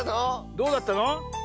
どうだったの？